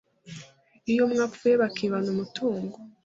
iyo umwe apfuye bakibana umutungo